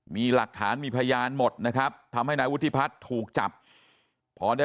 มีหลักฐานมีพยานหมดนะครับทำให้นายวุฒิพัฒน์ถูกจับพอได้